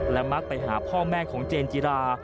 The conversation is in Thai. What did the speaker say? และมักไปหาพ่อแม่ของเจนจิรา